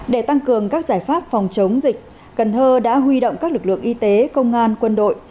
để tăng cường các giải pháp phòng chống dịch cần thơ đã huy động các lực lượng y tế công an quân đội